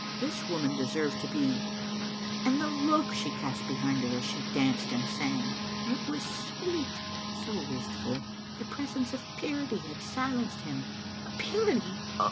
This woman deserved to be . And the look she cast behind her as she danced and sang! It was sweet, so wistful; the presence of purity had silenced him. Purity